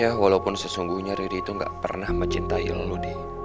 ya walaupun sesungguhnya riri itu gak pernah mencintai lo di